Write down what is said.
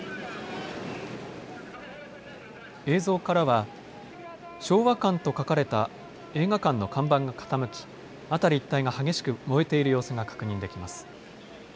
映像からは昭和館と書かれた映画館の看板が傾き辺り一帯が激しく燃えている様子が確認できます。